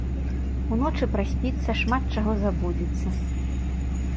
Уночы праспіцца, шмат чаго забудзецца.